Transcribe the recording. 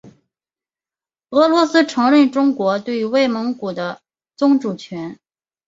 俄罗斯承认中国对外蒙古的宗主权。